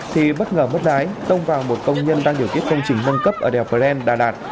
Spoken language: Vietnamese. thì bất ngờ mất đái tông vào một công nhân đang điều kiếp công trình nâng cấp ở đèo bren đà đạt